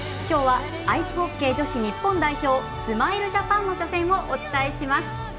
きょうはアイスホッケー女子日本代表スマイルジャパンの初戦をお伝えします。